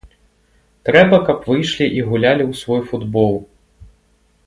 Трэба, каб выйшлі і гулялі у свой футбол.